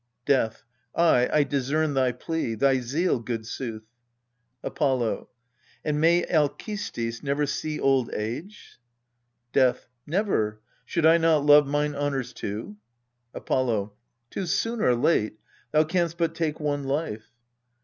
Death. Ay, I discern thy plea thy zeal, good sooth ! Apollo. And may Alcestis never see old age ? Death. Never: should I not love mine honours too? Apollo. Tis soon or late thou canst but take one life.